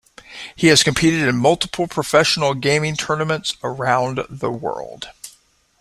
He has competed in multiple professional gaming tournaments around the world.